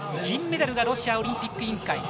銀メダルがロシアオリンピック委員会。